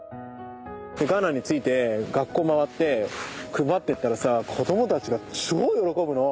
でガーナに着いて学校回って配ってったらさ子供たちが超喜ぶの。